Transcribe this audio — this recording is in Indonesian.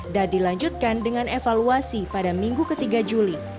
dan dilanjutkan dengan evaluasi pada minggu ketiga juli